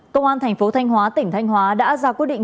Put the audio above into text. công an thành phố thanh hóa tỉnh thanh hóa đã ra quyết định